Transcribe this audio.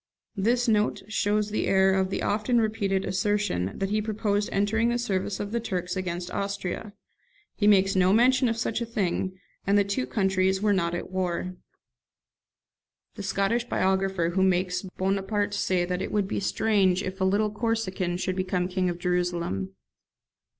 This note shows the error of the often repeated assertion, that he proposed entering the service of the Turks against Austria. He makes no mention of such a thing; and the two countries were not at war. [The Scottish biographer makes Bonaparte say that it would be strange if a little Corsican should become King of Jerusalem.